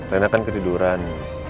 rena kan ketiduran